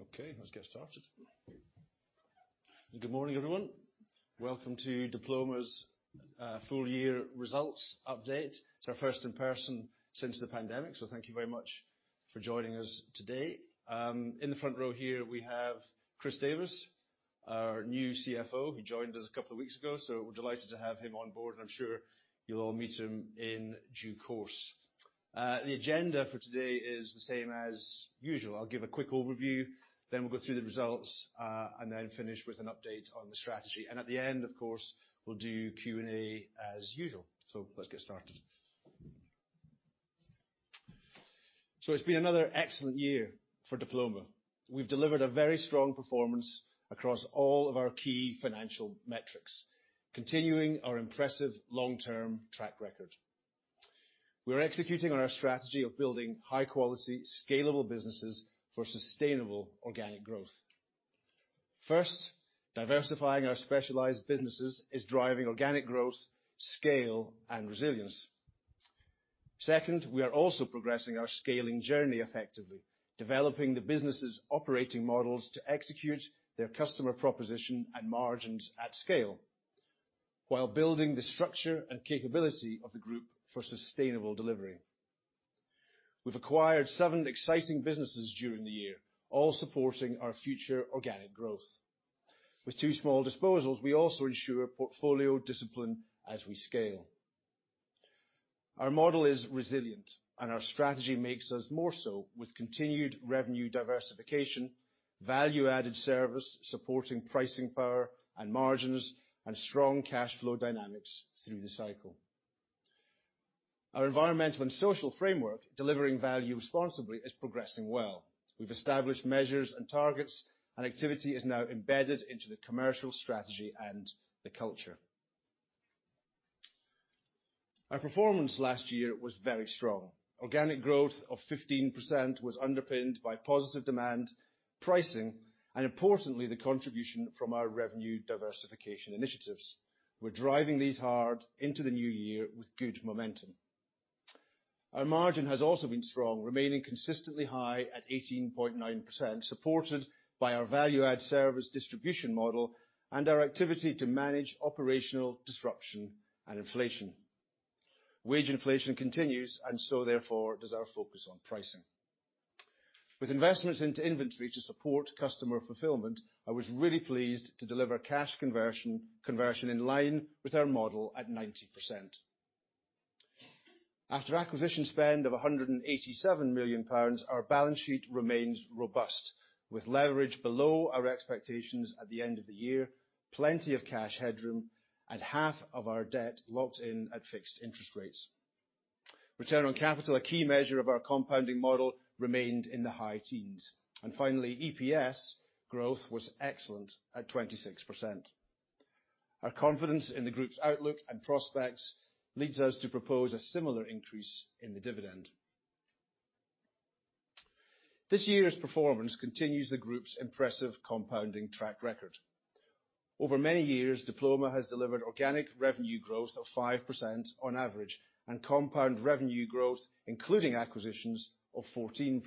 Okay, let's get started. Good morning, everyone. Welcome to Diploma's full year results update. It's our first in person since the pandemic. Thank you very much for joining us today. In the front row here, we have Chris Davies, our new CFO. He joined us a couple of weeks ago. We're delighted to have him on board, I'm sure you'll all meet him in due course. The agenda for today is the same as usual. I'll give a quick overview. We'll go through the results, finish with an update on the strategy. At the end, of course, we'll do Q&A as usual. Let's get started. It's been another excellent year for Diploma. We've delivered a very strong performance across all of our key financial metrics, continuing our impressive long-term track record. We're executing on our strategy of building high-quality, scalable businesses for sustainable organic growth. First, diversifying our specialized businesses is driving organic growth, scale, and resilience. Second, we are also progressing our scaling journey effectively, developing the business's operating models to execute their customer proposition and margins at scale while building the structure and capability of the group for sustainable delivery. We've acquired seven exciting businesses during the year, all supporting our future organic growth. With two small disposals, we also ensure portfolio discipline as we scale. Our model is resilient, and our strategy makes us more so with continued revenue diversification, value-added service, supporting pricing power and margins, and strong cash flow dynamics through the cycle. Our environmental and social framework, Delivering Value Responsibly, is progressing well. We've established measures and targets, and activity is now embedded into the commercial strategy and the culture. Our performance last year was very strong. Organic growth of 15% was underpinned by positive demand, pricing, and importantly, the contribution from our revenue diversification initiatives. We're driving these hard into the new year with good momentum. Our margin has also been strong, remaining consistently high at 18.9%, supported by our value-add service distribution model and our activity to manage operational disruption and inflation. Wage inflation continues, and so therefore does our focus on pricing. With investments into inventory to support customer fulfillment, I was really pleased to deliver cash conversion in line with our model at 90%. After acquisition spend of 187 million pounds, our balance sheet remains robust, with leverage below our expectations at the end of the year, plenty of cash headroom, and half of our debt locked in at fixed interest rates. Return on capital, a key measure of our compounding model, remained in the high teens. Finally, EPS growth was excellent at 26%. Our confidence in the Group's outlook and prospects leads us to propose a similar increase in the dividend. This year's performance continues the Group's impressive compounding track record. Over many years, Diploma has delivered organic revenue growth of 5% on average, and compound revenue growth, including acquisitions, of 14%.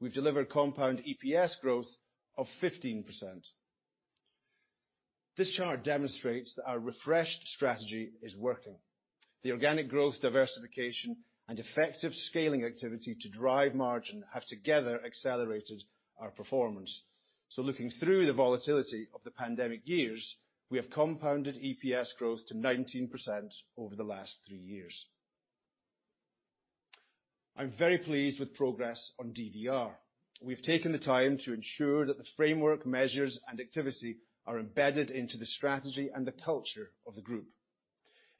We've delivered compound EPS growth of 15%. This chart demonstrates that our refreshed strategy is working. The organic growth diversification and effective scaling activity to drive margin have together accelerated our performance. Looking through the volatility of the pandemic years, we have compounded EPS growth to 19% over the last three years. I'm very pleased with progress on DVR. We've taken the time to ensure that the framework, measures, and activity are embedded into the strategy and the culture of the group.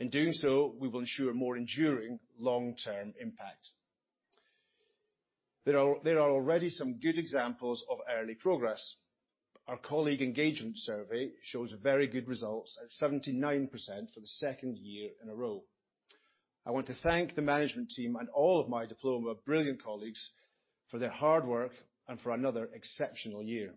In doing so, we will ensure more enduring long-term impact. There are already some good examples of early progress. Our colleague engagement survey shows very good results at 79% for the second year in a row. I want to thank the management team and all of my Diploma brilliant colleagues for their hard work and for another exceptional year.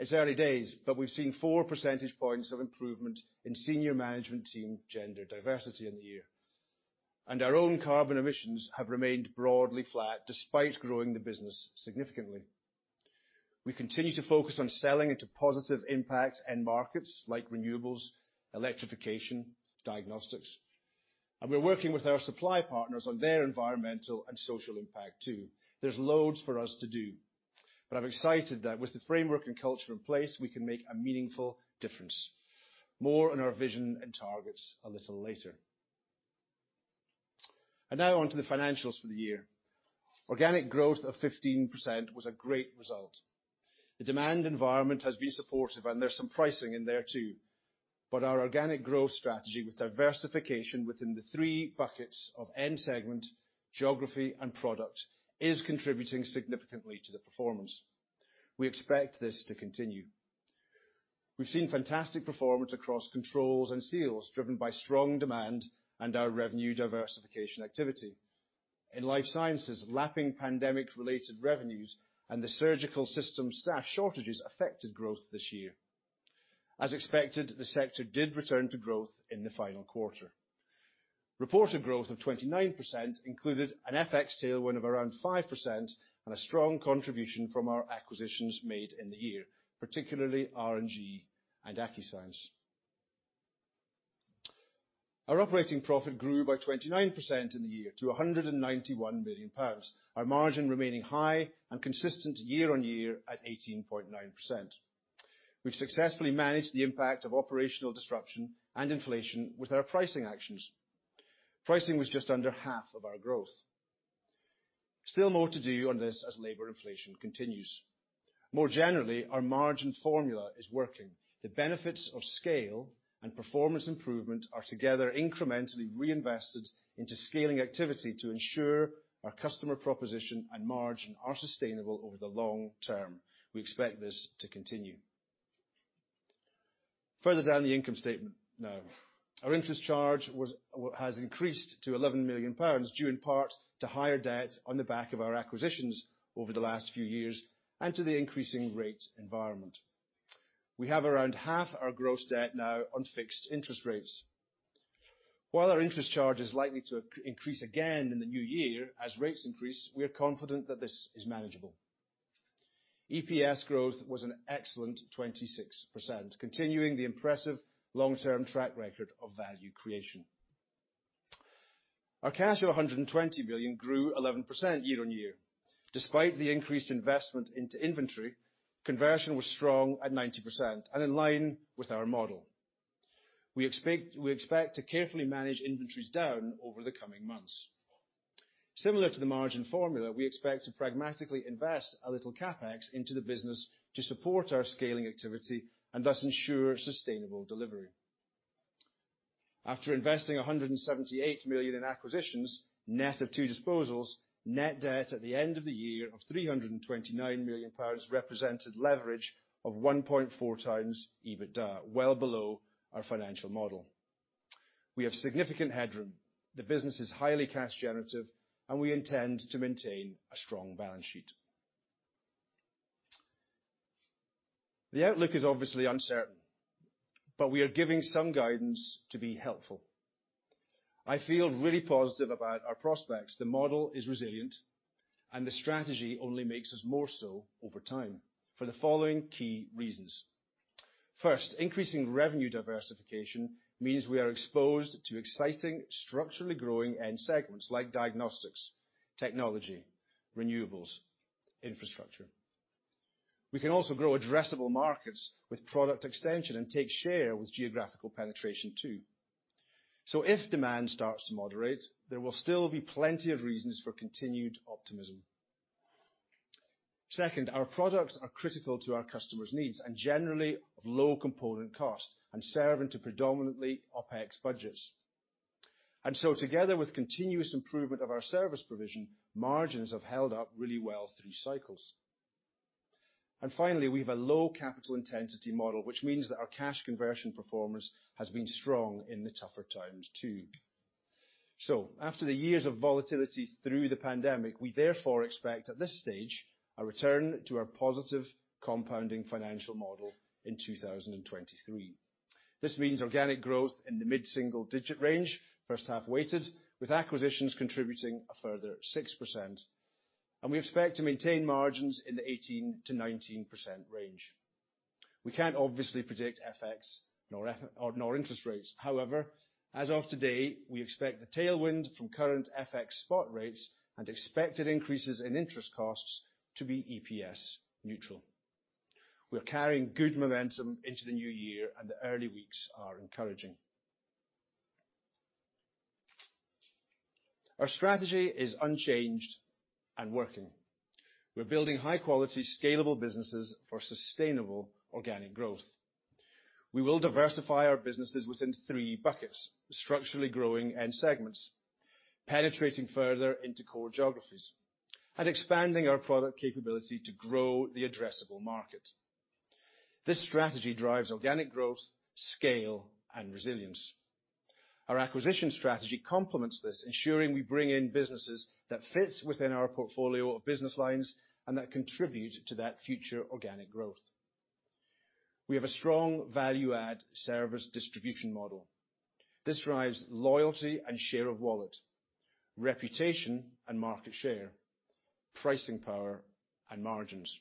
It's early days, we've seen 4 percentage points of improvement in senior management team gender diversity in the year. Our own carbon emissions have remained broadly flat despite growing the business significantly. We continue to focus on selling into positive impact end markets like renewables, electrification, diagnostics, and we're working with our supply partners on their environmental and social impact too. There's loads for us to do, but I'm excited that with the framework and culture in place, we can make a meaningful difference. More on our vision and targets a little later. Now on to the financials for the year. Organic growth of 15% was a great result. The demand environment has been supportive and there's some pricing in there too. Our organic growth strategy with diversification within the three buckets of end segment, geography, and product is contributing significantly to the performance. We expect this to continue. We've seen fantastic performance across Controls and Seals, driven by strong demand and our revenue diversification activity. In Life Sciences, lapping pandemic-related revenues and the surgical system staff shortages affected growth this year. As expected, the sector did return to growth in the final quarter. Reported growth of 29% included an FX tailwind of around 5% and a strong contribution from our acquisitions made in the year, particularly RNG and Accuscience. Our operating profit grew by 29% in the year to 191 million pounds. Our margin remaining high and consistent year-on-year at 18.9%. We've successfully managed the impact of operational disruption and inflation with our pricing actions. Pricing was just under half of our growth. Still more to do on this as labor inflation continues. More generally, our margin formula is working. The benefits of scale and performance improvement are together incrementally reinvested into scaling activity to ensure our customer proposition and margin are sustainable over the long term. We expect this to continue. Further down the income statement now. Our interest charge has increased to 11 million pounds, due in part to higher debt on the back of our acquisitions over the last few years, and to the increasing rates environment. We have around half our gross debt now on fixed interest rates. While our interest charge is likely to increase again in the new year as rates increase, we are confident that this is manageable. EPS growth was an excellent 26%, continuing the impressive long-term track record of value creation. Our cash of 120 billion grew 11% year-on-year. Despite the increased investment into inventory, conversion was strong at 90% and in line with our model. We expect to carefully manage inventories down over the coming months. Similar to the margin formula, we expect to pragmatically invest a little CapEx into the business to support our scaling activity and thus ensure sustainable delivery. After investing 178 million in acquisitions, net of two disposals, net debt at the end of the year of 329 million pounds represented leverage of 1.4x EBITDA, well below our financial model. We have significant headroom. The business is highly cash generative, we intend to maintain a strong balance sheet. The outlook is obviously uncertain, we are giving some guidance to be helpful. I feel really positive about our prospects. The model is resilient, the strategy only makes us more so over time for the following key reasons. First, increasing revenue diversification means we are exposed to exciting structurally growing end segments like diagnostics, technology, renewables, infrastructure. We can also grow addressable markets with product extension and take share with geographical penetration too. If demand starts to moderate, there will still be plenty of reasons for continued optimism. Second, our products are critical to our customers' needs and generally of low component cost and serve into predominantly OpEx budgets. Together with continuous improvement of our service provision, margins have held up really well through cycles. Finally, we have a low capital intensity model, which means that our cash conversion performance has been strong in the tougher times too. After the years of volatility through the pandemic, we therefore expect at this stage a return to our positive compounding financial model in 2023. This means organic growth in the mid-single-digit range, first half weighted, with acquisitions contributing a further 6%, and we expect to maintain margins in the 18%-19% range. We can't obviously predict FX nor interest rates. However, as of today, we expect the tailwind from current FX spot rates and expected increases in interest costs to be EPS neutral. We're carrying good momentum into the new year, and the early weeks are encouraging. Our strategy is unchanged and working. We're building high-quality, scalable businesses for sustainable organic growth. We will diversify our businesses within three buckets: structurally growing end segments, penetrating further into core geographies, and expanding our product capability to grow the addressable market. This strategy drives organic growth, scale, and resilience. Our acquisition strategy complements this, ensuring we bring in businesses that fits within our portfolio of business lines and that contribute to that future organic growth. We have a strong value add service distribution model. This drives loyalty and share of wallet, reputation and market share, pricing power and margins.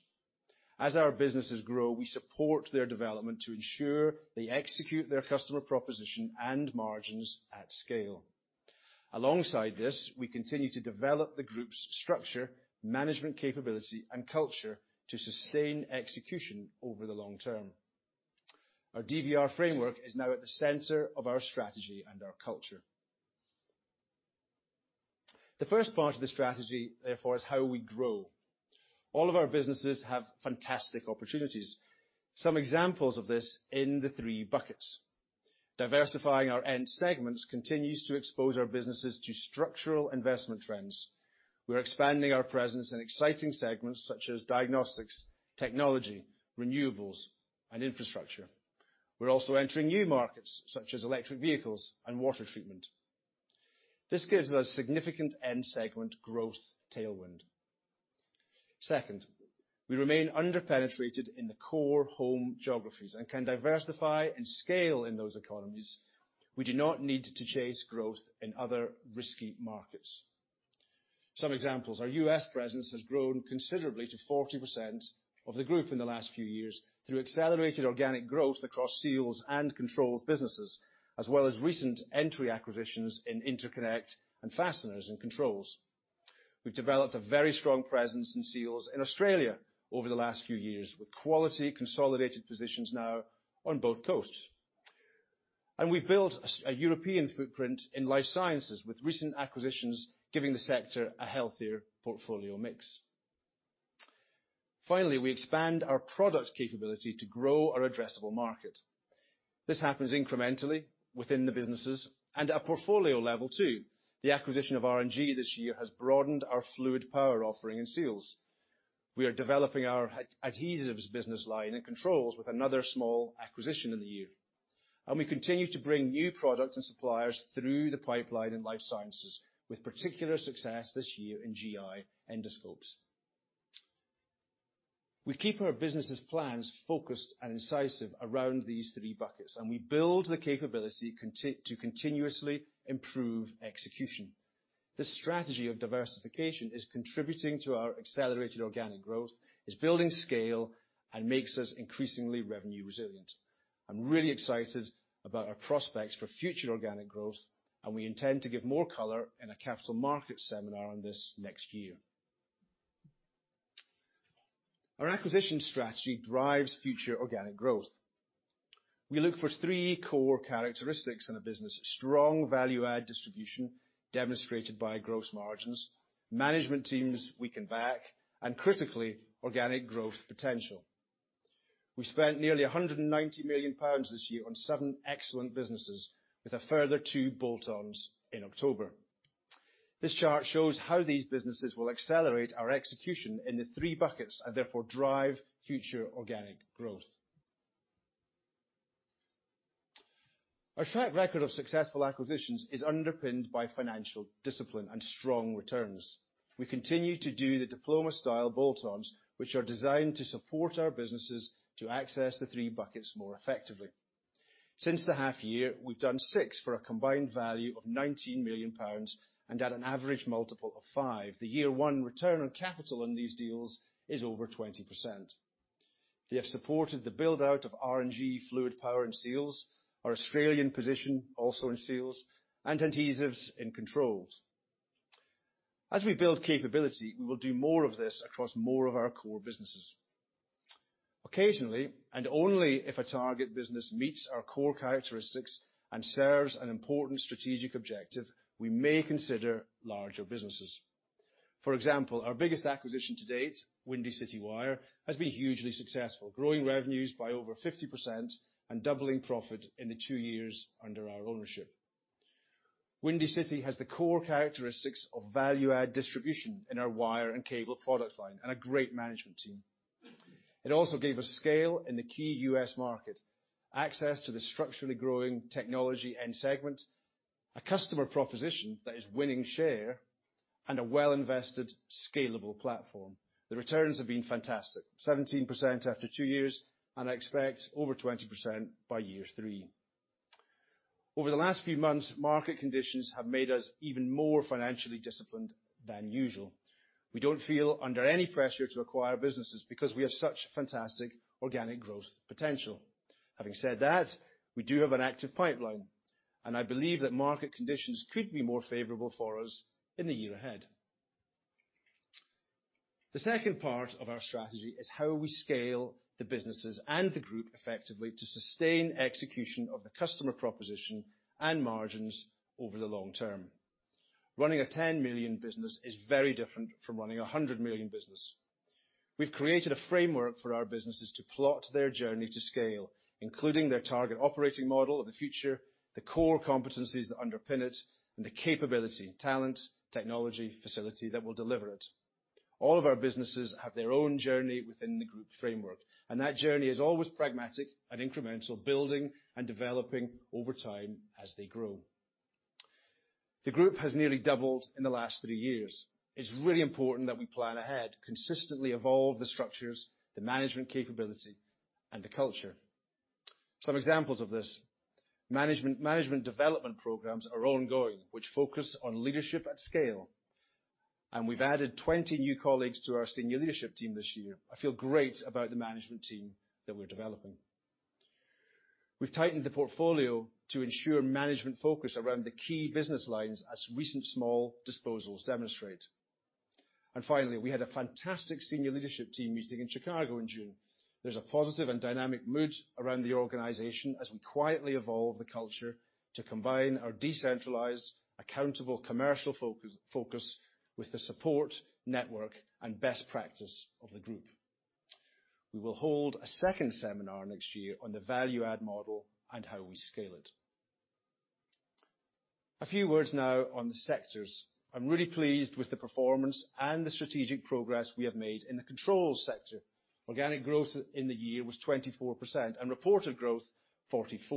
As our businesses grow, we support their development to ensure they execute their customer proposition and margins at scale. Alongside this, we continue to develop the group's structure, management capability, and culture to sustain execution over the long term. Our DVR framework is now at the center of our strategy and our culture. The first part of the strategy, therefore, is how we grow. All of our businesses have fantastic opportunities. Some examples of this in the three buckets. Diversifying our end segments continues to expose our businesses to structural investment trends. We're expanding our presence in exciting segments such as diagnostics, technology, renewables, and infrastructure. We're also entering new markets such as electric vehicles and water treatment. This gives us significant end segment growth tailwind. Second, we remain underpenetrated in the core home geographies and can diversify and scale in those economies. We do not need to chase growth in other risky markets. Some examples, our U.S. presence has grown considerably to 40% of the group in the last few years through accelerated organic growth across Seals and Controls businesses, as well as recent entry acquisitions in interconnect and fasteners and Controls. We've developed a very strong presence in Seals in Australia over the last few years, with quality consolidated positions now on both coasts. We built a European footprint in Life Sciences, with recent acquisitions giving the sector a healthier portfolio mix. Finally, we expand our product capability to grow our addressable market. This happens incrementally within the businesses and at portfolio level too. The acquisition of RNG this year has broadened our fluid power offering in Seals. We are developing our adhesives business line in Controls with another small acquisition in the year. We continue to bring new products and suppliers through the pipeline in Life Sciences, with particular success this year in GI endoscopes. We keep our business' plans focused and incisive around these three buckets. We build the capability to continuously improve execution. This strategy of diversification is contributing to our accelerated organic growth, is building scale, and makes us increasingly revenue resilient. I'm really excited about our prospects for future organic growth. We intend to give more color in a capital market seminar on this next year. Our acquisition strategy drives future organic growth. We look for three core characteristics in a business: strong value-add distribution demonstrated by gross margins, management teams we can back, and critically organic growth potential. We spent nearly 190 million pounds this year on seven excellent businesses with a further two bolt-ons in October. This chart shows how these businesses will accelerate our execution in the three buckets and therefore drive future organic growth. Our track record of successful acquisitions is underpinned by financial discipline and strong returns. We continue to do the Diploma style bolt-ons, which are designed to support our businesses to access the three buckets more effectively. Since the half year, we've done six for a combined value of 19 million pounds and at an average multiple of five. The year one return on capital on these deals is over 20%. They have supported the build-out of R&G Fluid Power and Seals, our Australian position also in Seals, and adhesives in Controls. As we build capability, we will do more of this across more of our core businesses. Occasionally, and only if a target business meets our core characteristics and serves an important strategic objective, we may consider larger businesses. For example, our biggest acquisition to date, Windy City Wire, has been hugely successful, growing revenues by over 50% and doubling profit in the two years under our ownership. Windy City has the core characteristics of value-add distribution in our wire and cable product line and a great management team. It also gave us scale in the key U.S. market, access to the structurally growing technology end segment, a customer proposition that is winning share, and a well-invested, scalable platform. The returns have been fantastic, 17% after two years. I expect over 20% by year three. Over the last few months, market conditions have made us even more financially disciplined than usual. We don't feel under any pressure to acquire businesses because we have such fantastic organic growth potential. Having said that, we do have an active pipeline. I believe that market conditions could be more favorable for us in the year ahead. The second part of our strategy is how we scale the businesses and the group effectively to sustain execution of the customer proposition and margins over the long term. Running a 10 million business is very different from running a 100 million business. We've created a framework for our businesses to plot their journey to scale, including their target operating model of the future, the core competencies that underpin it, and the capability, talent, technology, facility that will deliver it. All of our businesses have their own journey within the group framework. That journey is always pragmatic and incremental, building and developing over time as they grow. The group has nearly doubled in the last three years. It's really important that we plan ahead, consistently evolve the structures, the management capability, and the culture. Some examples of this. Management development programs are ongoing, which focus on leadership at scale. We've added 20 new colleagues to our senior leadership team this year. I feel great about the management team that we're developing. We've tightened the portfolio to ensure management focus around the key business lines as recent small disposals demonstrate. Finally, we had a fantastic senior leadership team meeting in Chicago in June. There's a positive and dynamic mood around the organization as we quietly evolve the culture to combine our decentralized, accountable commercial focus with the support, network, and best practice of the group. We will hold a second seminar next year on the value add model and how we scale it. A few words now on the sectors. I'm really pleased with the performance and the strategic progress we have made in the Controls sector. Organic growth in the year was 24% and reported growth 44%.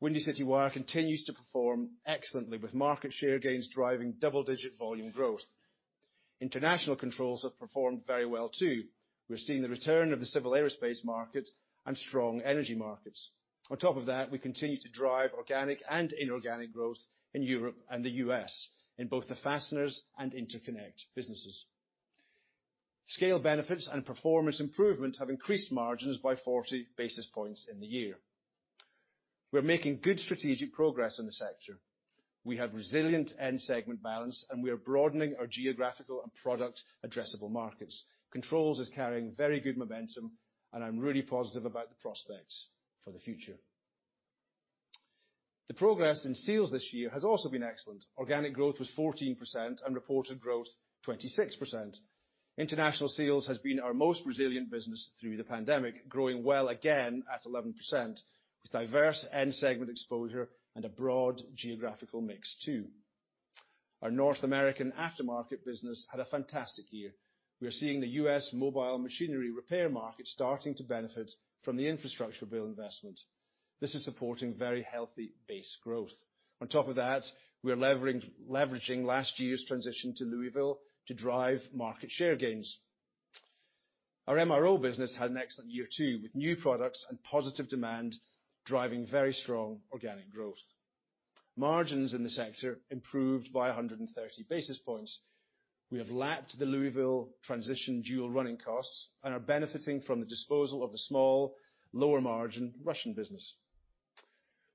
Windy City Wire continues to perform excellently with market share gains driving double-digit volume growth. International Controls have performed very well too. We're seeing the return of the civil aerospace market and strong energy markets. We continue to drive organic and inorganic growth in Europe and the U.S. in both the fasteners and interconnect businesses. Scale benefits and performance improvement have increased margins by 40 basis points in the year. We're making good strategic progress in the sector. We have resilient end segment balance, we are broadening our geographical and product addressable markets. Controls is carrying very good momentum, I'm really positive about the prospects for the future. The progress in Seals this year has also been excellent. Organic growth was 14% and reported growth 26%. International Seals has been our most resilient business through the pandemic, growing well again at 11%, with diverse end segment exposure and a broad geographical mix too. Our North American aftermarket business had a fantastic year. We are seeing the U.S. mobile machinery repair market starting to benefit from the infrastructure build investment. This is supporting very healthy base growth. On top of that, we are leveraging last year's transition to Louisville to drive market share gains. Our MRO business had an excellent year too, with new products and positive demand driving very strong organic growth. Margins in the sector improved by 130 basis points. We have lapped the Louisville transition dual running costs and are benefiting from the disposal of the small, lower-margin Russian business.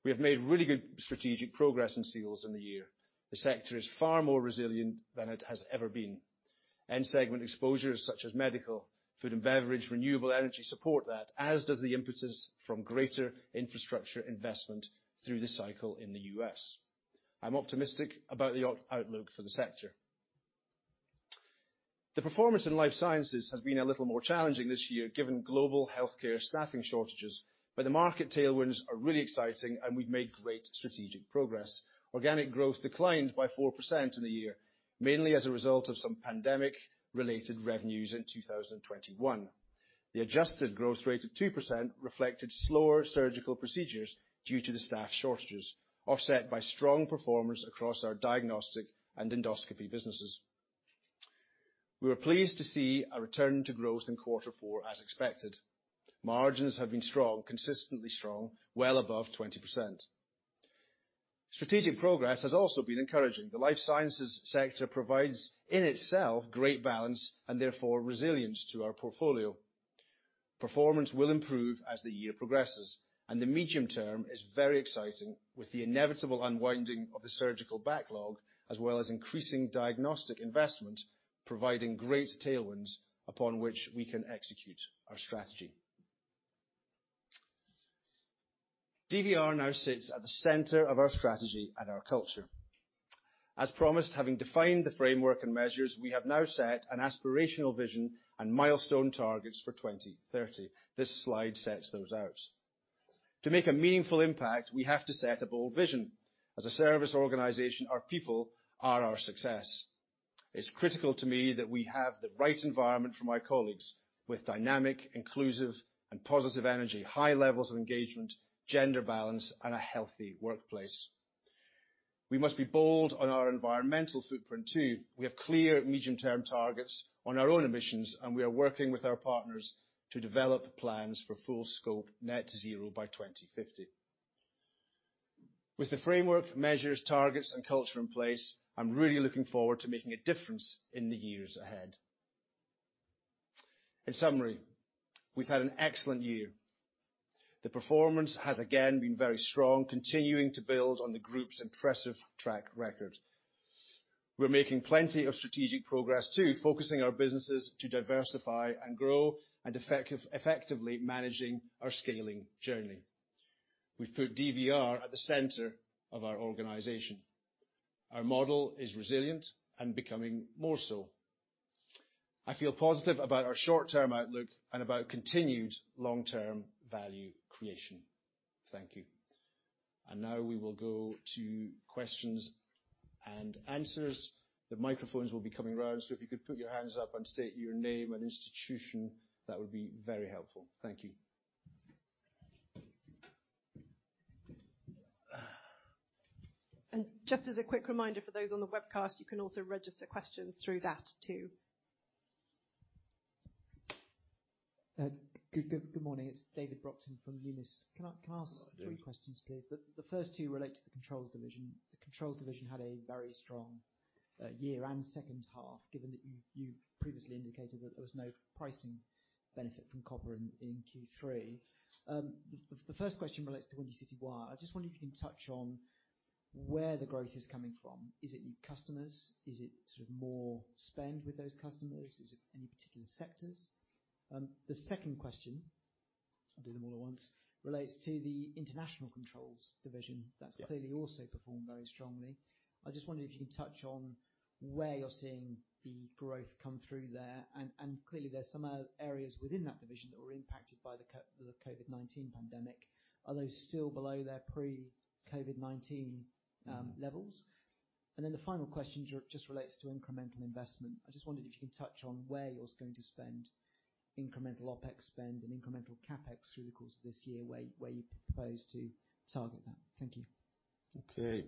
We have made really good strategic progress in Seals in the year. The sector is far more resilient than it has ever been. End segment exposures such as medical, food and beverage, renewable energy support that, as does the impetus from greater infrastructure investment through the cycle in the U.S. I'm optimistic about the outlook for the sector. The performance in Life Sciences has been a little more challenging this year, given global healthcare staffing shortages, but the market tailwinds are really exciting, and we've made great strategic progress. Organic growth declined by 4% in the year, mainly as a result of some pandemic-related revenues in 2021. The adjusted growth rate of 2% reflected slower surgical procedures due to the staff shortages, offset by strong performance across our diagnostic and endoscopy businesses. We were pleased to see a return to growth in Q4 as expected. Margins have been consistently strong, well above 20%. Strategic progress has also been encouraging. The Life Sciences sector provides in itself great balance and therefore resilience to our portfolio. Performance will improve as the year progresses, the medium term is very exciting, with the inevitable unwinding of the surgical backlog as well as increasing diagnostic investment, providing great tailwinds upon which we can execute our strategy. DVR now sits at the center of our strategy and our culture. As promised, having defined the framework and measures, we have now set an aspirational vision and milestone targets for 2030. This slide sets those out. To make a meaningful impact, we have to set a bold vision. As a service organization, our people are our success. It's critical to me that we have the right environment for my colleagues with dynamic, inclusive, and positive energy, high levels of engagement, gender balance, and a healthy workplace. We must be bold on our environmental footprint too. We have clear medium-term targets on our own emissions, and we are working with our partners to develop plans for full-scope net zero by 2050. With the framework, measures, targets, and culture in place, I'm really looking forward to making a difference in the years ahead. In summary, we've had an excellent year. The performance has again been very strong, continuing to build on the group's impressive track record. We're making plenty of strategic progress too, focusing our businesses to diversify and grow and effectively managing our scaling journey. We've put DVR at the center of our organization. Our model is resilient and becoming more so. I feel positive about our short-term outlook and about continued long-term value creation. Thank you. Now we will go to questions and answers. The microphones will be coming round, so if you could put your hands up and state your name and institution, that would be very helpful. Thank you. Just as a quick reminder for those on the webcast, you can also register questions through that too. Good morning. It's David Brockton from Numis. Can I ask three questions, please? The first two relate to the Controls division. The Controls division had a very strong year and second half, given that you previously indicated that there was no pricing benefit from copper in Q3. The first question relates to Windy City Wire. I just wonder if you can touch on where the growth is coming from. Is it new customers? Is it sort of more spend with those customers? Is it any particular sectors? The second question, I'll do them all at once, relates to the International Controls division. Yeah. That's clearly also performed very strongly. I just wonder if you can touch on where you're seeing the growth come through there, and clearly there's some areas within that division that were impacted by the COVID-19 pandemic. Are those still below their pre-COVID-19 levels? The final question just relates to incremental investment. I just wondered if you could touch on where you're going to spend incremental OpEx spend and incremental CapEx through the course of this year, where you propose to target that. Thank you. Okay.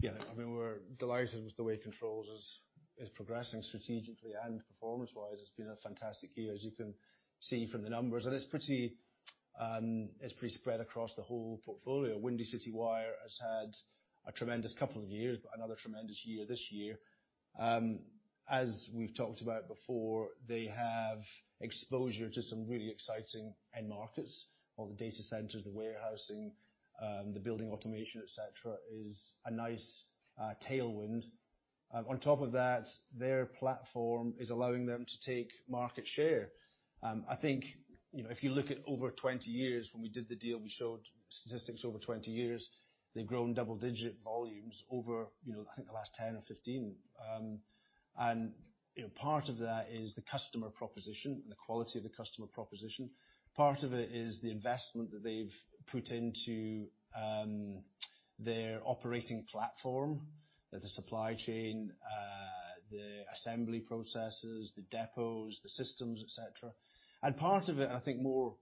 Yeah, I mean, we're delighted with the way Controls is progressing strategically and performance-wise. It's been a fantastic year, as you can see from the numbers. It's pretty, it's pretty spread across the whole portfolio. Windy City Wire has had a tremendous couple of years, but another tremendous year this year. As we've talked about before, they have exposure to some really exciting end markets. All the data centers, the warehousing, the building automation, et cetera, is a nice tailwind. On top of that, their platform is allowing them to take market share. I think, you know, if you look at over 20 years, when we did the deal, we showed statistics over 20 years, they've grown double-digit volumes over, you know, I think the last 10 or 15. You know, part of that is the customer proposition and the quality of the customer proposition. Part of it is the investment that they've put into their operating platform. The supply chain, the assembly processes, the depots, the systems, et cetera. Part of it, I think more,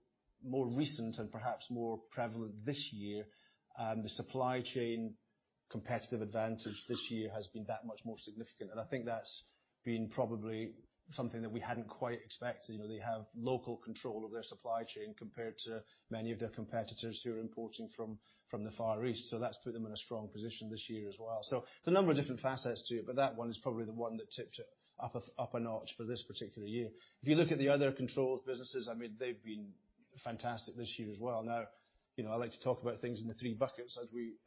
more recent and perhaps more prevalent this year, the supply chain competitive advantage this year has been that much more significant. I think that's been probably something that we hadn't quite expected. You know, they have local control of their supply chain compared to many of their competitors who are importing from the Far East. That's put them in a strong position this year as well. There's a number of different facets to it, but that one is probably the one that tipped it up a notch for this particular year. If you look at the other Controls businesses, I mean, they've been fantastic this year as well. You know, I like to talk about things in the three buckets,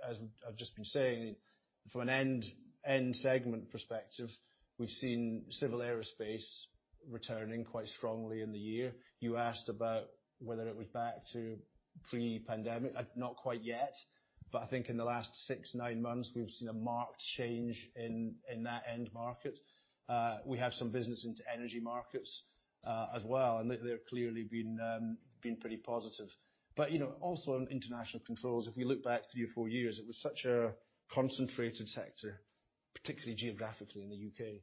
as I've just been saying. From an end segment perspective, we've seen civil aerospace returning quite strongly in the year. You asked about whether it was back to pre-pandemic. Not quite yet, but I think in the last six, nine months, we've seen a marked change in that end market. We have some business into energy markets as well, and they've clearly been pretty positive. You know, also in International Controls, if we look back three or four years, it was such a concentrated sector, particularly geographically in the U.K.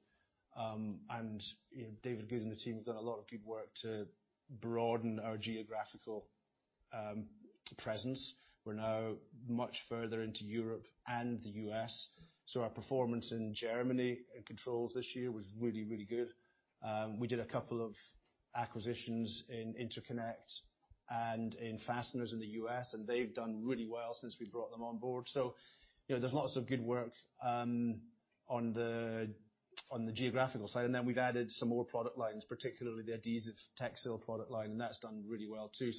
You know, David Goode and the team have done a lot of good work to broaden our geographical presence. We're now much further into Europe and the U.S. Our performance in Germany in Controls this year was really, really good. We did a couple of acquisitions in interconnect and in fasteners in the U.S., they've done really well since we brought them on board. You know, there's lots of good work on the geographical side. We've added some more product lines, particularly the adhesive textile product line, that's done really well too.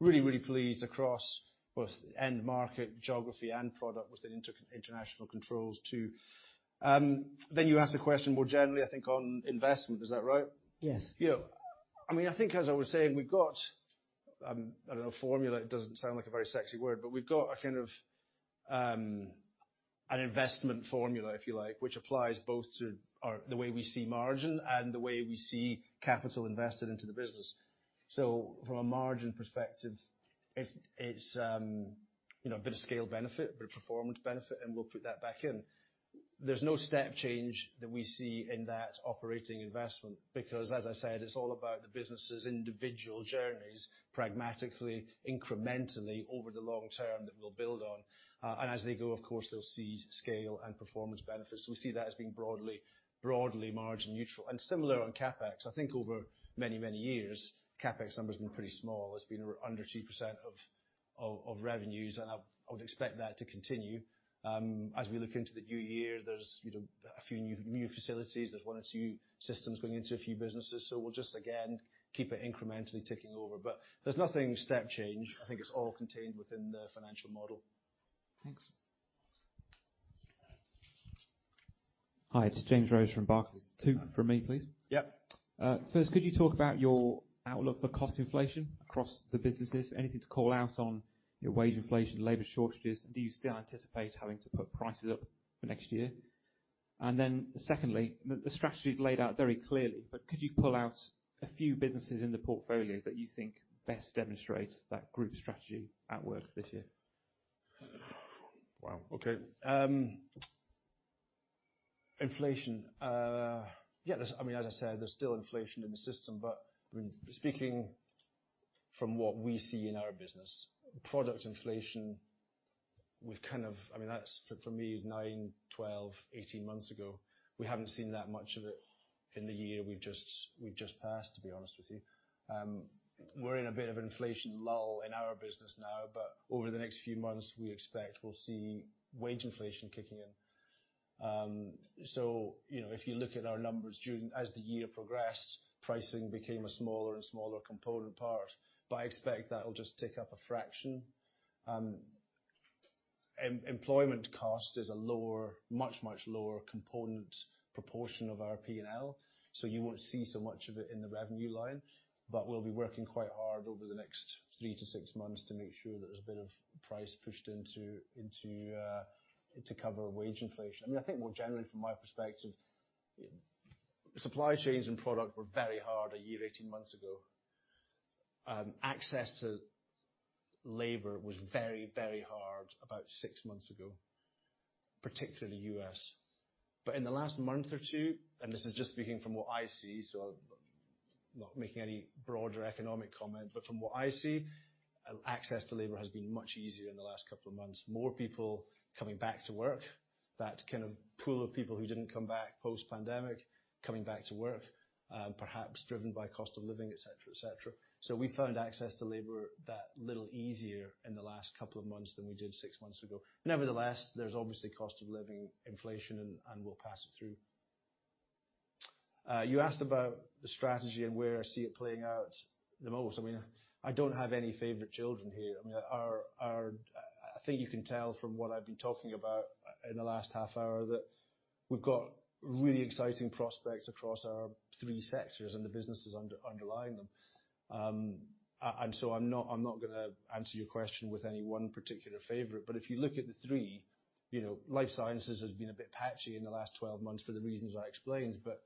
Really, really pleased across both end market, geography, and product within International Controls too. You asked a question more generally, I think, on investment. Is that right? Yes. Yeah. I mean, I think as I was saying, we've got, I don't know, a formula, it doesn't sound like a very sexy word, but we've got a kind of an investment formula, if you like, which applies both to our, the way we see margin and the way we see capital invested into the business. From a margin perspective, it's, you know, a bit of scale benefit, a bit of performance benefit, and we'll put that back in. There's no step change that we see in that operating investment because as I said, it's all about the business' individual journeys, pragmatically, incrementally over the long term that we'll build on. As they go, of course, they'll see scale and performance benefits. We see that as being broadly margin neutral. Similar on CapEx, I think over many, many years, CapEx numbers have been pretty small. It's been under 2% of revenues, and I would expect that to continue. As we look into the new year, there's, you know, a few new facilities. There's one or two systems going into a few businesses, so we'll just again, keep it incrementally ticking over. There's nothing step change. I think it's all contained within the financial model. Thanks. Hi, it's James Rose from Barclays. Two from me, please. Yep. First, could you talk about your outlook for cost inflation across the businesses? Anything to call out on, you know, wage inflation, labor shortages? Do you still anticipate having to put prices up for next year? Secondly, the strategy is laid out very clearly, but could you pull out a few businesses in the portfolio that you think best demonstrate that group strategy at work this year? Wow. Okay. Inflation. Yeah, I mean, as I said, there's still inflation in the system, but speaking from what we see in our business, product inflation, we've I mean, that's for me, nine, 12, 18 months ago. We haven't seen that much of it in the year we've passed, to be honest with you. We're in a bit of inflation lull in our business now, but over the next few months, we expect we'll see wage inflation kicking in. You know, if you look at our numbers during, as the year progressed, pricing became a smaller and smaller component part. I expect that'll just tick up a fraction. Employment cost is a lower, much lower component proportion of our P&L, so you won't see so much of it in the revenue line. We'll be working quite hard over the next three to six months to make sure that there's a bit of price pushed into, to cover wage inflation. I mean, I think more generally from my perspective, supply chains and product were very hard a year, 18 months ago. Access to labor was very, very hard about six months ago, particularly U.S. In the last month or two, and this is just speaking from what I see, so not making any broader economic comment, but from what I see, access to labor has been much easier in the last couple of months. More people coming back to work, that kind of pool of people who didn't come back post-pandemic coming back to work, perhaps driven by cost of living, et cetera, et cetera. We found access to labor that little easier in the last couple of months than we did six months ago. Nevertheless, there's obviously cost of living inflation and we'll pass it through. You asked about the strategy and where I see it playing out the most. I mean, I don't have any favorite children here. I mean, our I think you can tell from what I've been talking about in the last half hour that we've got really exciting prospects across our three sectors and the businesses underlying them. I'm not gonna answer your question with any one particular favorite. If you look at the three, you know, Life Sciences has been a bit patchy in the last 12 months for the reasons I explained, but,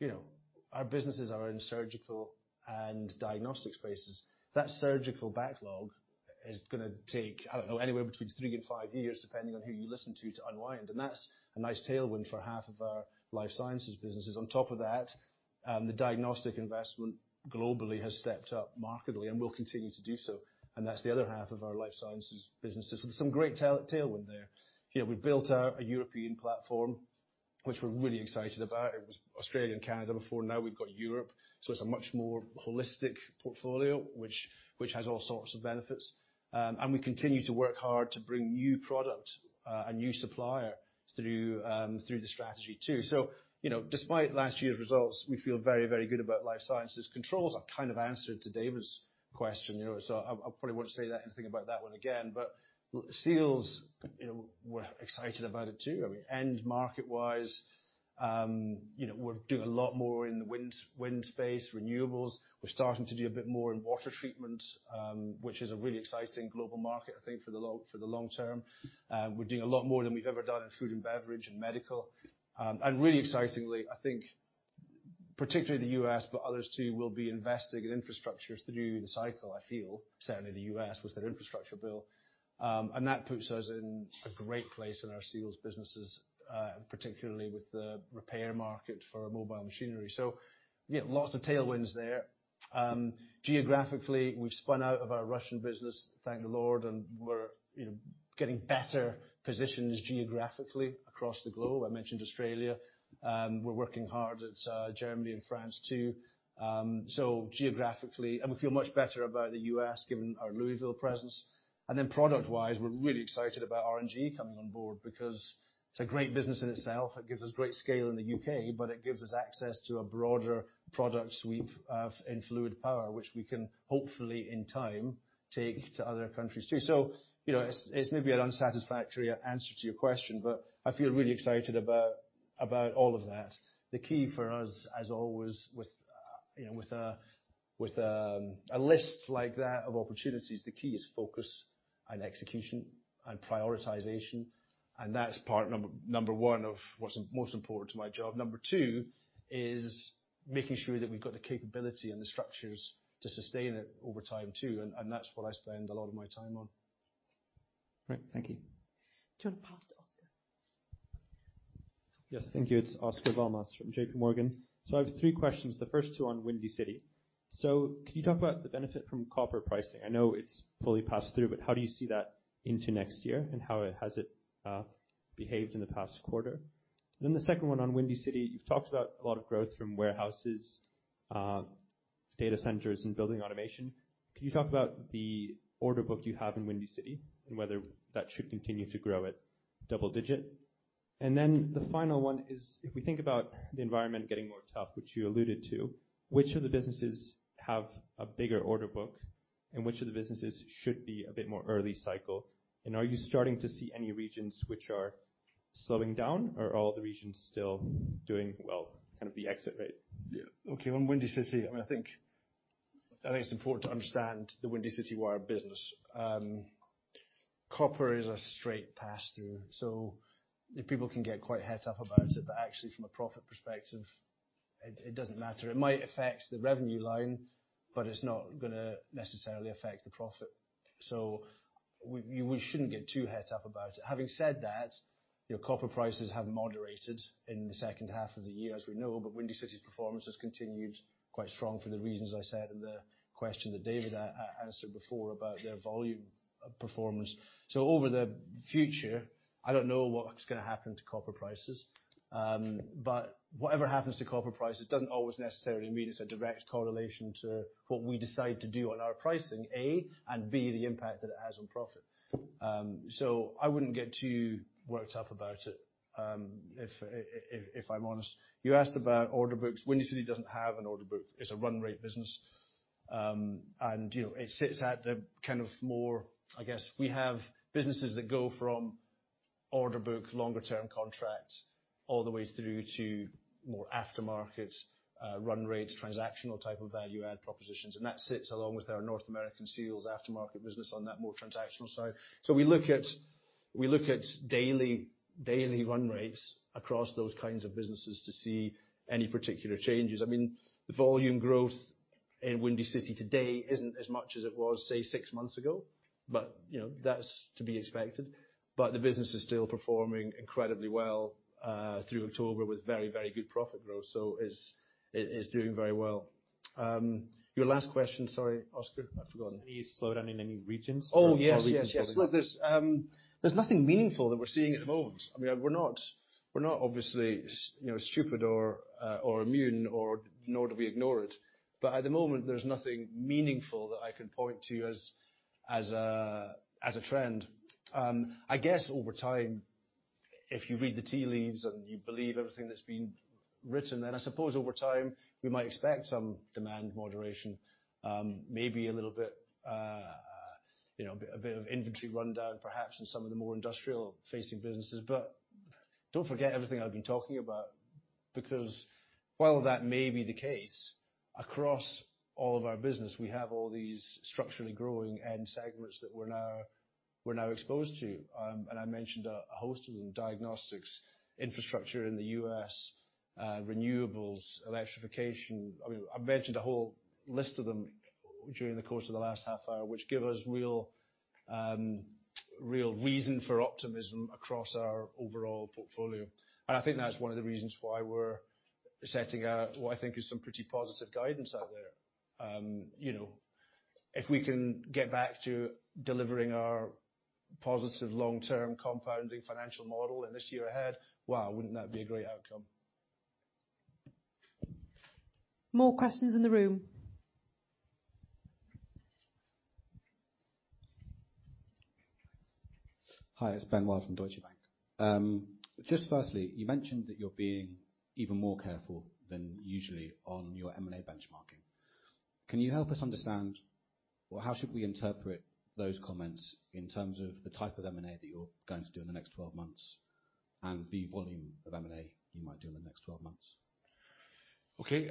you know, our businesses are in surgical and diagnostic spaces. That surgical backlog is gonna take, I don't know, anywhere between three and five years, depending on who you listen to unwind. That's a nice tailwind for half of our Life Sciences businesses. On top of that, the diagnostic investment globally has stepped up markedly and will continue to do so. That's the other half of our Life Sciences businesses. There's some great tailwind there. You know, we've built our a European platform, which we're really excited about. It was Australia and Canada before, now we've got Europe, so it's a much more holistic portfolio, which has all sorts of benefits. We continue to work hard to bring new product and new supplier through through the strategy too. You know, despite last year's results, we feel very, very good about Life Sciences. Controls, I've kind of answered to David's question, you know, I probably won't say that anything about that one again. Seals, you know, we're excited about it too. I mean, end market-wise, you know, we're doing a lot more in the wind space, renewables. We're starting to do a bit more in water treatment, which is a really exciting global market, I think, for the long term. We're doing a lot more than we've ever done in food and beverage and medical. And really excitingly, I think particularly the U.S., but others too, will be investing in infrastructure through the cycle, I feel, certainly the U.S. with their Infrastructure Investment and Jobs Act. And that puts us in a great place in our Seals businesses, particularly with the repair market for our mobile machinery. Yeah, lots of tailwinds there. Geographically, we've spun out of our Russian business, thank the Lord, and we're, you know, getting better positions geographically across the globe. I mentioned Australia. We're working hard at Germany and France too. Geographically. We feel much better about the U.S., given our Louisville presence. Then product-wise, we're really excited about RNG coming on board because it's a great business in itself. It gives us great scale in the U.K., but it gives us access to a broader product suite of, in fluid power, which we can hopefully, in time, take to other countries too. You know, it's maybe an unsatisfactory answer to your question, but I feel really excited about all of that. The key for us, as always, with, you know, with a, with a list like that of opportunities, the key is focus and execution and prioritization. That's part number one of what's most important to my job. Number two is making sure that we've got the capability and the structures to sustain it over time too, and that's what I spend a lot of my time on. Great. Thank you. Do you want to pass to Oscar? Yes. Thank you. It's Oscar Val-Mas from JPMorgan. I have three questions, the first two on Windy City. Can you talk about the benefit from copper pricing? I know it's fully passed through, but how do you see that into next year, and how has it behaved in the past quarter? The second one on Windy City, you've talked about a lot of growth from warehouses, data centers and building automation. Can you talk about the order book you have in Windy City and whether that should continue to grow at double-digit? The final one is, if we think about the environment getting more tough, which you alluded to, which of the businesses have a bigger order book, and which of the businesses should be a bit more early cycle? Are you starting to see any regions which are slowing down, or are all the regions still doing well, kind of the exit rate? Yeah. Okay. On Windy City, I mean, I think it's important to understand the Windy City wire business. copper is a straight pass-through, so people can get quite het up about it, but actually from a profit perspective, it doesn't matter. It might affect the revenue line, but it's not gonna necessarily affect the profit. we shouldn't get too het up about it. Having said that, your copper prices have moderated in the second half of the year, as we know, but Windy City's performance has continued quite strong for the reasons I said in the question that David answered before about their volume performance. Over the future, I don't know what's gonna happen to copper prices, but whatever happens to copper prices doesn't always necessarily mean it's a direct correlation to what we decide to do on our pricing, A, and B, the impact that it has on profit. I wouldn't get too worked up about it, if I'm honest. You asked about order books. Windy City doesn't have an order book. It's a run rate business. And, you know, it sits at the kind of more, I guess, we have businesses that go from order book, longer term contracts, all the way through to more aftermarkets, run rate, transactional type of value add propositions. That sits along with our North American Seals aftermarket business on that more transactional side. We look at daily run rates across those kinds of businesses to see any particular changes. I mean, volume growth in Windy City today isn't as much as it was, say, six months ago, but, you know, that's to be expected. The business is still performing incredibly well through October with very good profit growth. It's, it is doing very well. Your last question, sorry, Oscar, I've forgotten. Any slowdown in any regions? Oh, yes, yes. Regions slowing down. Look, there's nothing meaningful that we're seeing at the moment. I mean, we're not obviously, you know, stupid or immune, or nor do we ignore it. At the moment, there's nothing meaningful that I can point to as a trend. I guess over time, if you read the tea leaves and you believe everything that's been written, then I suppose over time we might expect some demand moderation, maybe a little bit, you know, a bit of inventory rundown perhaps in some of the more industrial-facing businesses. Don't forget everything I've been talking about, because while that may be the case, across all of our business, we have all these structurally growing end segments that we're now exposed to. I mentioned a host of them, diagnostics, infrastructure in the U.S., renewables, electrification. I mean, I mentioned a whole list of them during the course of the last half hour, which give us real reason for optimism across our overall portfolio. I think that's one of the reasons why we're setting out what I think is some pretty positive guidance out there. You know, if we can get back to delivering our positive long-term compounding financial model in this year ahead, wow, wouldn't that be a great outcome? More questions in the room. Hi, it's Ben Wild from Deutsche Bank. Just firstly, you mentioned that you're being even more careful than usually on your M&A benchmarking. Can you help us understand or how should we interpret those comments in terms of the type of M&A that you're going to do in the next 12 months, and the volume of M&A you might do in the next 12 months? Okay.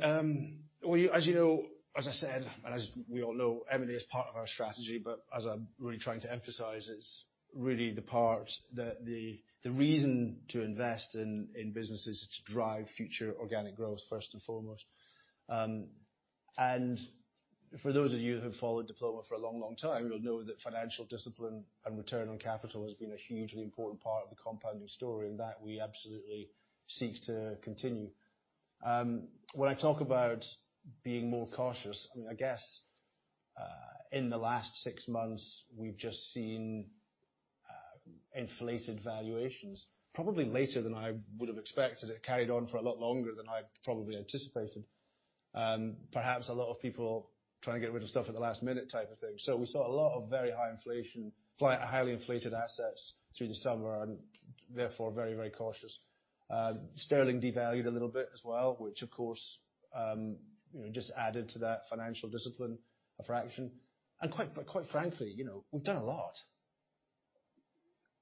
Well, as you know, as I said, and as we all know, M&A is part of our strategy. As I'm really trying to emphasize, it's really the reason to invest in businesses to drive future organic growth first and foremost. For those of you who have followed Diploma for a long, long time will know that financial discipline and return on capital has been a hugely important part of the compounding story, and that we absolutely seek to continue. When I talk about being more cautious, I mean, I guess, in the last six months, we've just seen inflated valuations probably later than I would've expected. It carried on for a lot longer than I probably anticipated. Perhaps a lot of people trying to get rid of stuff at the last minute type of thing. We saw a lot of very high inflation, highly inflated assets through December, and therefore very, very cautious. Sterling devalued a little bit as well, which of course, you know, just added to that financial discipline a fraction. Quite, quite frankly, you know, we've done a lot,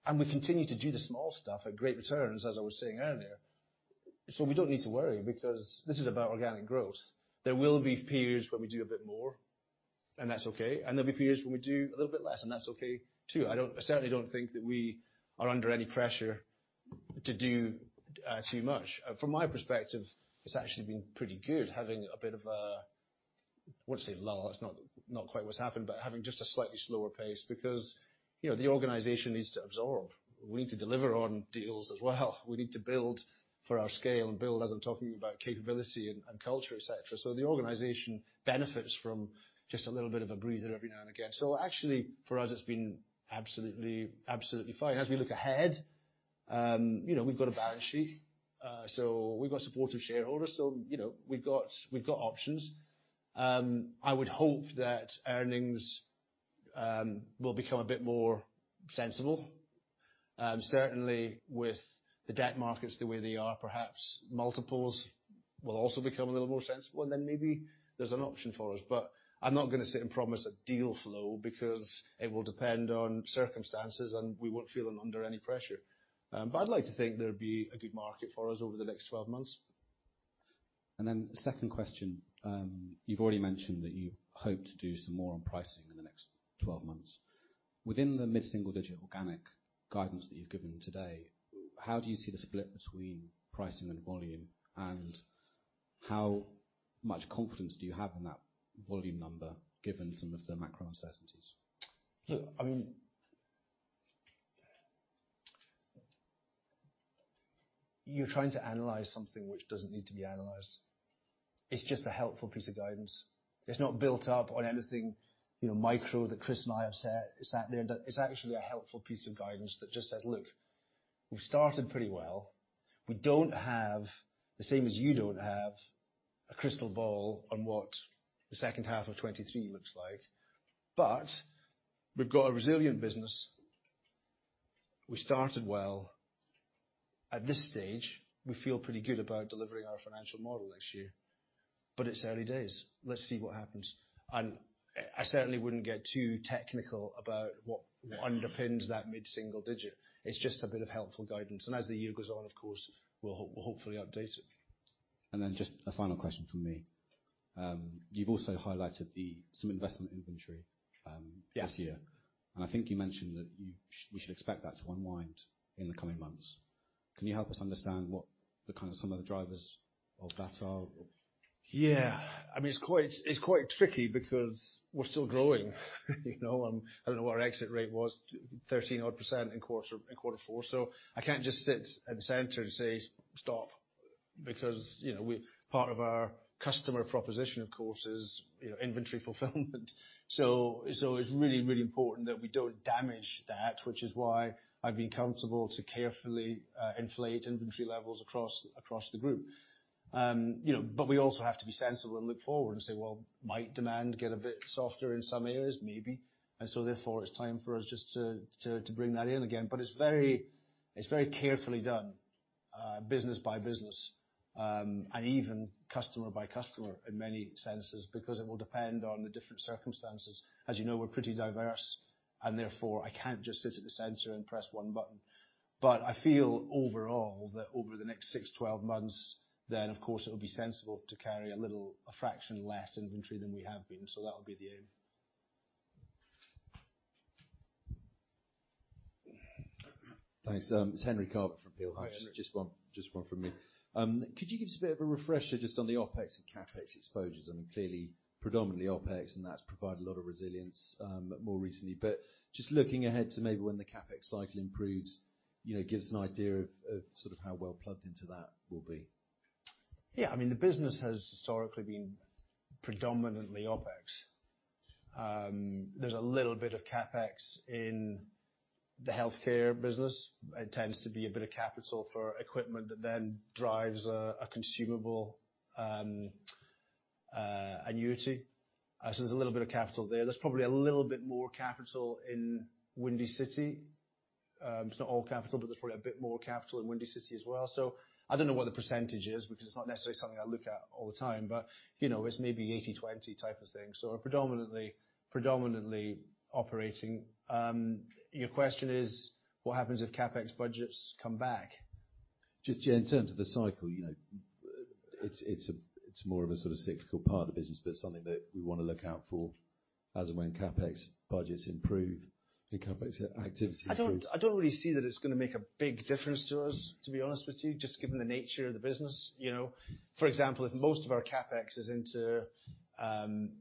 and we continue to do the small stuff at great returns, as I was saying earlier. We don't need to worry because this is about organic growth. There will be periods where we do a bit more, and that's okay. There'll be periods when we do a little bit less, and that's okay, too. I certainly don't think that we are under any pressure to do too much. From my perspective, it's actually been pretty good having a bit of a... I won't say lull, it's not quite what's happened, but having just a slightly slower pace because, you know, the organization needs to absorb. We need to deliver on deals as well. We need to build for our scale and build, as I'm talking about capability and culture, et cetera. The organization benefits from just a little bit of a breather every now and again. Actually, for us, it's been absolutely fine. As we look ahead, you know, we've got a balance sheet, so we've got supportive shareholders, you know, we've got options. I would hope that earnings will become a bit more sensible. Certainly with the debt markets, the way they are, perhaps multiples will also become a little more sensible, and then maybe there's an option for us. I'm not gonna sit and promise a deal flow because it will depend on circumstances, and we won't feel under any pressure. I'd like to think there'd be a good market for us over the next 12 months. Second question. You've already mentioned that you hope to do some more on pricing in the next 12 months. Within the mid-single-digit organic guidance that you've given today, how do you see the split between pricing and volume, and how much confidence do you have in that volume number given some of the macro uncertainties? Look, I mean, you're trying to analyze something which doesn't need to be analyzed. It's just a helpful piece of guidance. It's not built up on anything, you know, micro that Chris and I have said, sat there and done. It's actually a helpful piece of guidance that just says, "Look, we've started pretty well. We don't have, the same as you don't have, a crystal ball on what the second half of 23 looks like. We've got a resilient business. We started well. At this stage, we feel pretty good about delivering our financial model next year, but it's early days. Let's see what happens." I certainly wouldn't get too technical about what underpins that mid-single digit. It's just a bit of helpful guidance. As the year goes on, of course, we'll hopefully update it. Just a final question from me. You've also highlighted some investment inventory. Yes... this year, and I think you mentioned that we should expect that to unwind in the coming months. Can you help us understand what the kind of some of the drivers of that are? I mean, it's quite, it's quite tricky because we're still growing, you know. I don't know what our exit rate was 13 odd % in Q4, I can't just sit at the center and say, "Stop," because, you know. Part of our customer proposition, of course, is, you know, inventory fulfillment. It's really, really important that we don't damage that, which is why I've been comfortable to carefully inflate inventory levels across the group. You know, but we also have to be sensible and look forward and say, well, might demand get a bit softer in some areas? Maybe. Therefore, it's time for us just to bring that in again. It's very, it's very carefully done, business by business, and even customer by customer in many senses, because it will depend on the different circumstances. As you know, we're pretty diverse, and therefore I can't just sit at the center and press one button. I feel overall that over the next six, 12 months, of course it would be sensible to carry a little, a fraction less inventory than we have been. That'll be the aim. Thanks. It's Henry Carver from Peel Hunt. Hi, Henry. Just one from me. Could you give us a bit of a refresher just on the OpEx and CapEx exposures? I mean, clearly predominantly OpEx, and that's provided a lot of resilience more recently. Just looking ahead to maybe when the CapEx cycle improves, you know, give us an idea of sort of how well plugged into that we'll be. Yeah, I mean, the business has historically been predominantly OpEx. There's a little bit of CapEx in the healthcare business. It tends to be a bit of capital for equipment that then drives a consumable annuity. There's a little bit of capital there. There's probably a little bit more capital in Windy City. It's not all capital, but there's probably a bit more capital in Windy City as well. I don't know what the percentage is because it's not necessarily something I look at all the time, but, you know, it's maybe 80/20 type of thing. Predominantly, predominantly operating. Your question is what happens if CapEx budgets come back? Yeah, in terms of the cycle, you know, it's more of a sort of cyclical part of the business, but something that we wanna look out for as and when CapEx budgets improve and CapEx activity improves. I don't really see that it's gonna make a big difference to us, to be honest with you, just given the nature of the business, you know. For example, if most of our CapEx is into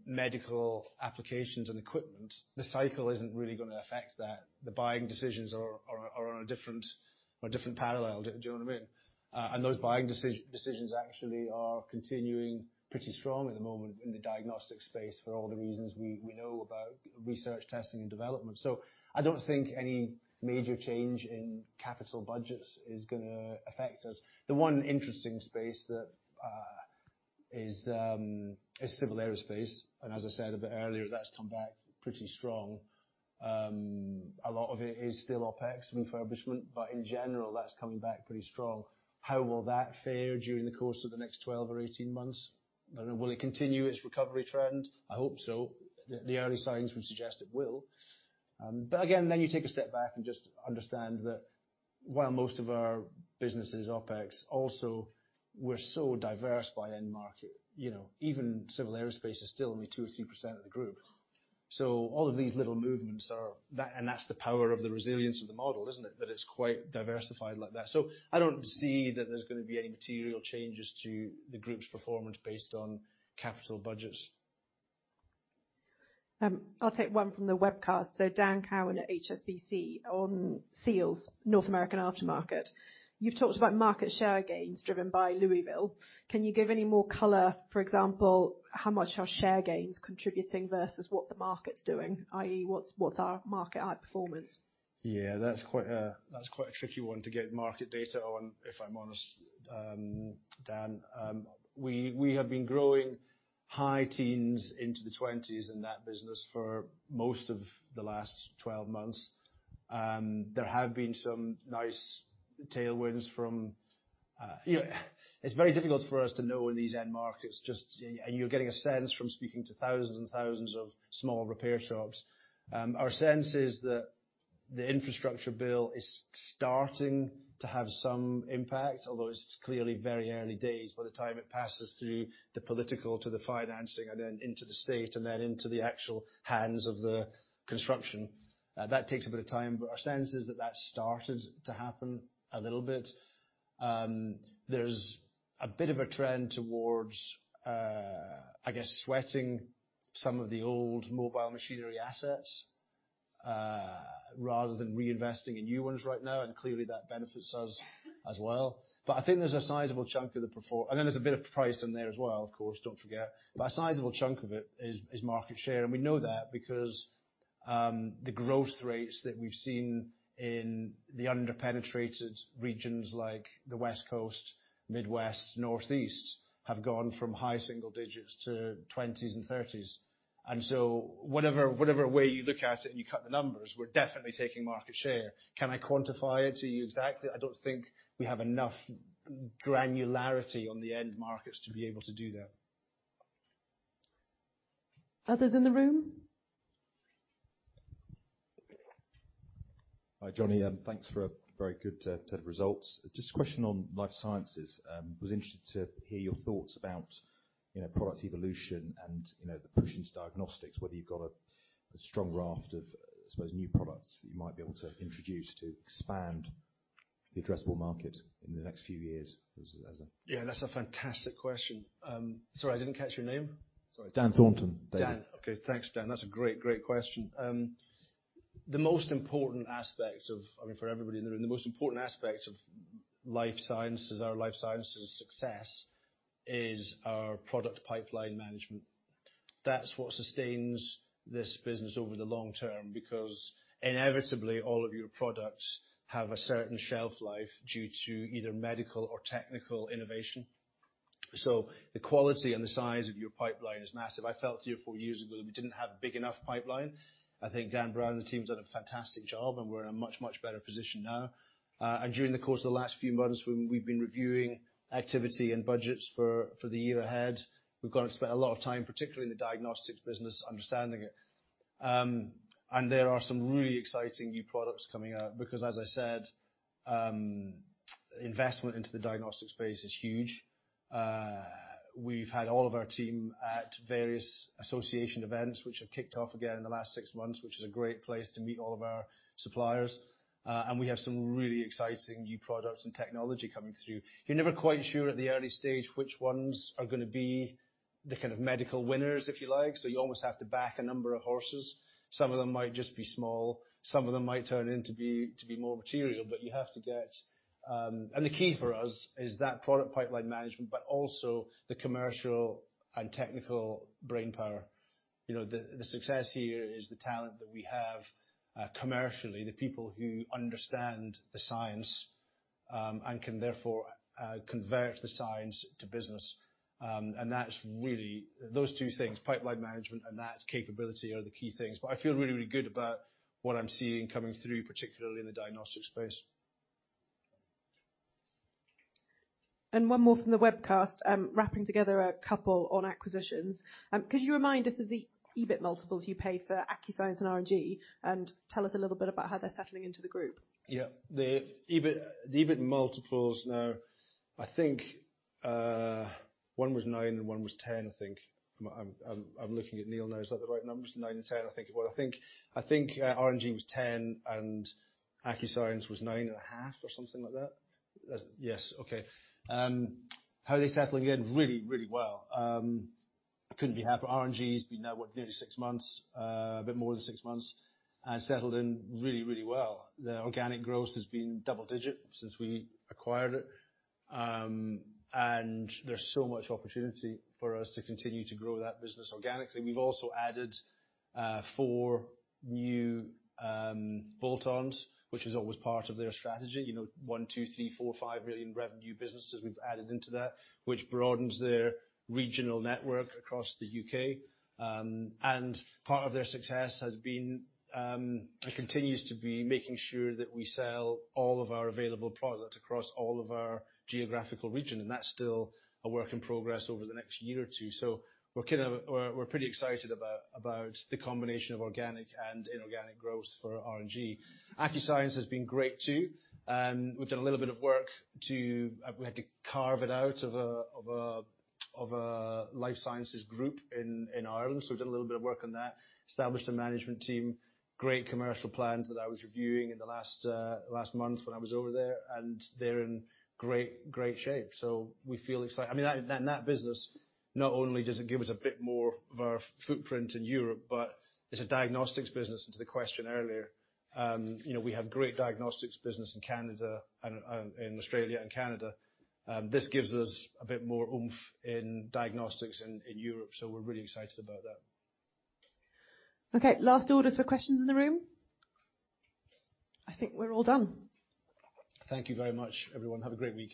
medical applications and equipment, the cycle isn't really gonna affect that. The buying decisions are on a different, on a different parallel. Do you know what I mean? Those buying decisions actually are continuing pretty strong at the moment in the diagnostics space for all the reasons we know about research, testing, and development. I don't think any major change in capital budgets is gonna affect us. The one interesting space that is civil aerospace, and as I said a bit earlier, that's come back pretty strong. A lot of it is still OpEx and refurbishment, in general, that's coming back pretty strong. How will that fare during the course of the next 12 or 18 months? I don't know. Will it continue its recovery trend? I hope so. The early signs would suggest it will. Again, then you take a step back and just understand that while most of our business is OpEx, also we're so diverse by end market, you know. Even civil aerospace is still only 2% or 3% of the group. All of these little movements are... That's the power of the resilience of the model, isn't it? That it's quite diversified like that. I don't see that there's gonna be any material changes to the group's performance based on capital budgets. I'll take one from the webcast. Daniel Cowan at HSBC. On Seals North American aftermarket, you've talked about market share gains driven by Louisville. Can you give any more color, for example, how much are share gains contributing versus what the market's doing, i.e. what's our market outperformance? Yeah, that's quite a, that's quite a tricky one to get market data on, if I'm honest, Dan. We have been growing high teens into the twenties in that business for most of the last 12 months. There have been some nice tailwinds from, you know. It's very difficult for us to know in these end markets just, and you're getting a sense from speaking to thousands and thousands of small repair shops. Our sense is that the Infrastructure Bill is starting to have some impact, although it's clearly very early days by the time it passes through the political to the financing and then into the state and then into the actual hands of the construction. That takes a bit of time, but our sense is that that's started to happen a little bit. There's a bit of a trend towards sweating some of the old mobile machinery assets rather than reinvesting in new ones right now, and clearly that benefits us as well. I think there's a sizable chunk of the and then there's a bit of price in there as well, of course, don't forget. A sizable chunk of it is market share, and we know that because the growth rates that we've seen in the under-penetrated regions like the West Coast, Midwest, Northeast, have gone from high single digits to 20's and 30's. Whatever, whatever way you look at it and you cut the numbers, we're definitely taking market share. Can I quantify it to you exactly? I don't think we have enough granularity on the end markets to be able to do that. Others in the room? Hi, Johnny. Thanks for a very good set of results. Just a question on Life Sciences. Was interested to hear your thoughts about, you know, product evolution and, you know, the push into diagnostics, whether you've got a strong raft of, I suppose, new products that you might be able to introduce to expand the addressable market in the next few years? That's a fantastic question. Sorry, I didn't catch your name. Sorry. Dan Thompson. Dan. Okay. Thanks, Dan. That's a great question. I mean, for everybody in the room, the most important aspect of Life Sciences, our Life Sciences success is our product pipeline management. That's what sustains this business over the long term, because inevitably, all of your products have a certain shelf life due to either medical or technical innovation. The quality and the size of your pipeline is massive. I felt a few years ago we didn't have a big enough pipeline. I think Dan Brown and the team's done a fantastic job, and we're in a much, much better position now. During the course of the last few months, when we've been reviewing activity and budgets for the year ahead, we've got to spend a lot of time, particularly in the diagnostics business, understanding it. There are some really exciting new products coming out because as I said, investment into the diagnostics space is huge. We've had all of our team at various association events which have kicked off again in the last six months, which is a great place to meet all of our suppliers. And we have some really exciting new products and technology coming through. You're never quite sure at the early stage which ones are gonna be the kind of medical winners, if you like. You almost have to back a number of horses. Some of them might just be small, some of them might turn in to be more material. You have to get. The key for us is that product pipeline management, but also the commercial and technical brainpower. You know, the success here is the talent that we have, commercially, the people who understand the science, and can therefore, convert the science to business. That's really, those two things, pipeline management and that capability are the key things. I feel really, really good about what I'm seeing coming through, particularly in the diagnostics space. One more from the webcast, wrapping together a couple on acquisitions. Could you remind us of the EBIT multiples you paid for Accuscience and R&G, and tell us a little bit about how they're settling into the group? Yeah. The EBIT multiples now, I think, one was nine and one was 10, I think. I'm looking at Neil. No, is that the right numbers, nine and 10? I think. Well, I think, RNG was 10 and Accuscience was 9.5 or something like that. Yes. Okay. How are they settling in? Really, really well. I couldn't be happier. RNG's been now what? Nearly six months. A bit more than six months, and settled in really, really well. Their organic growth has been double-digit since we acquired it. There's so much opportunity for us to continue to grow that business organically. We've also added four new bolt-ons, which is always part of their strategy. You know, 1 million, 2 million, 3 million, 4 million, 5 million revenue businesses we've added into that, which broadens their regional network across the U.K. Part of their success has been and continues to be, making sure that we sell all of our available products across all of our geographical region. That's still a work in progress over the next year or two. We're kinda, we're pretty excited about the combination of organic and inorganic growth for RNG. Accuscience has been great too. We've done a little bit of work. We had to carve it out of a Life Sciences group in Ireland, so we've done a little bit of work on that. Established a management team. Great commercial plans that I was reviewing in the last month when I was over there, and they're in great shape. We feel excited. I mean, that, and that business, not only does it give us a bit more of our footprint in Europe, but it's a diagnostics business. To the question earlier, you know, we have great diagnostics business in Canada and in Australia and Canada. This gives us a bit more oomph in diagnostics in Europe. We're really excited about that. Okay. Last orders for questions in the room. I think we're all done. Thank you very much, everyone. Have a great week.